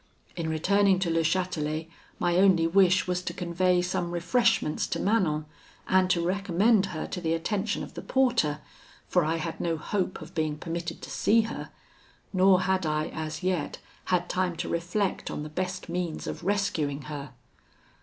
In returning to Le Chatelet, my only wish was to convey some refreshments to Manon, and to recommend her to the attention of the porter; for I had no hope of being permitted to see her; nor had I, as yet, had time to reflect on the best means of rescuing her.